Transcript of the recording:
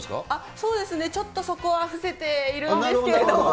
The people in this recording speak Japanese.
そうですね、ちょっとそこは伏せているんですけれども。